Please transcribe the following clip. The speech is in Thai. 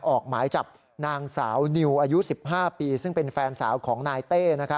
ออกหมายจับนางสาวนิวอายุ๑๕ปีซึ่งเป็นแฟนสาวของนายเต้